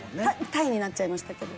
「たい」になっちゃいましたけど。